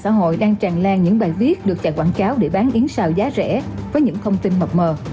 xã hội đang tràn lan những bài viết được chạy quảng cáo để bán yến xào giá rẻ với những thông tin mập mờ